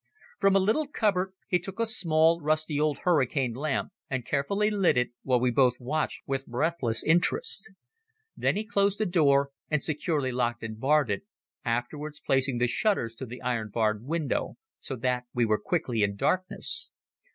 From a little cupboard he took a small, rusty old hurricane lamp, and carefully lit it, while we both watched with breathless interest. Then he closed the door and securely locked and barred it, afterwards placing the shutters to the iron barred window, so that we were quickly in darkness.